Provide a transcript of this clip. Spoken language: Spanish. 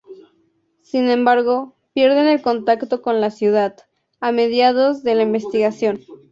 Sin embargo, pierden el contacto con la ciudad, a mediados de la investigación.